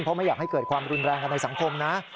เพราะไม่อยากให้เกิดความรุนแรงกันในสังคมนะ